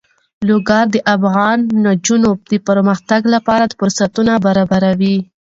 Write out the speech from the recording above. لوگر د افغان نجونو د پرمختګ لپاره فرصتونه برابروي.